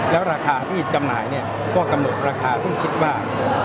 แล้วราคาที่จำหน่ายเนี่ยก็กำหนดราคาซึ่งคิดว่า